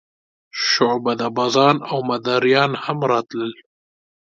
شعبده بازان او مداریان هم راتلل.